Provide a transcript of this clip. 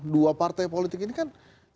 dua partai politik ini kan